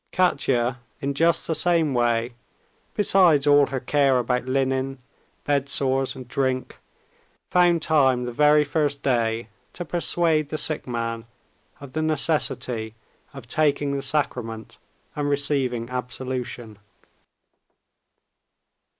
Katya in just the same way, besides all her care about linen, bedsores, drink, found time the very first day to persuade the sick man of the necessity of taking the sacrament and receiving absolution.